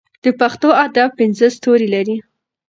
د پښتو ادب پنځه ستوري لري.